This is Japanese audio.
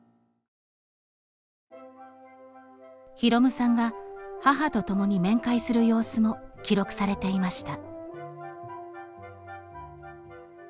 滌さんが母と共に面会する様子も記録されていました。